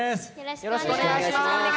よろしくお願いします。